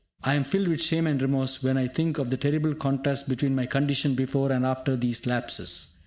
I am filled with shame and remorse when I think of the terrible contrast between my condition before and after these lapses.